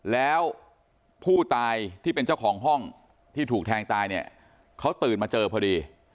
แล้วผู้ตายที่เป็นเจ้าของห้องที่ถูกแทงตายเนี่ยเขาตื่นมาเจอพอดี